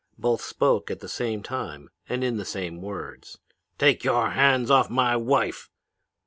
Both spoke at the same time and in the same words. "'Take your hands off my wife!'